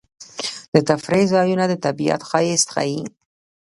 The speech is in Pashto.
د تفریح ځایونه د طبیعت ښایست ښيي.